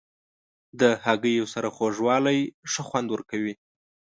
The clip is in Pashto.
د هګیو سره خوږوالی ښه خوند ورکوي.